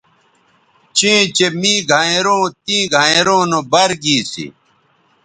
چہء کش می گھینئروں تیں گھینئروں نو بَر گی سی